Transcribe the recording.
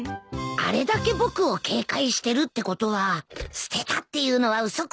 あれだけ僕を警戒してるってことは捨てたっていうのは嘘くさいな